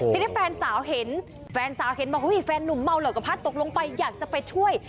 ทีนี้แฟนสาวเห็นแฟนสาวเห็นบอกแฟนหนุ่มเมาเหรอก็พัดตกลงไปอยากจะไปช่วย